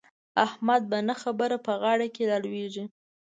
احمد په نه خبره په غاړه کې را لوېږي.